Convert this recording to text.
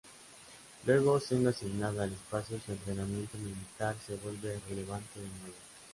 Luego, siendo asignada al espacio su entrenamiento militar, se vuelve relevante de nuevo.